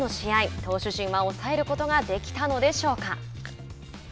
投手陣は抑えることができたのでしょうか。